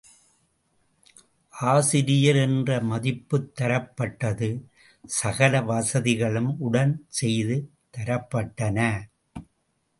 ஆசிரியர் என்ற மதிப்புத் தரப்பட்டது சகல வசதிகளும் உடன் செய்து தரப்பட்டன.